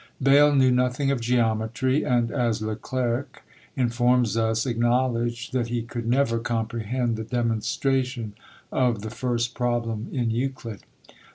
Bayle knew nothing of geometry; and, as Le Clerc informs us, acknowledged that he could never comprehend the demonstration of the first problem in Euclid.